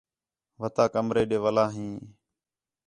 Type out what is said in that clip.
وَتا کمرے ݙے وَلا ہیں